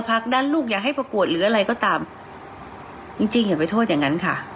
พักด้านลูกอยากให้ประกวดหรืออะไรก็ตามจริงจริงอย่าไปโทษอย่างนั้นค่ะ